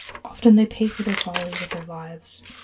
Often they pay for their folly with their lives.